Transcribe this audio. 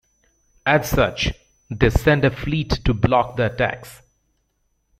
As such, they send a fleet to block the attacks.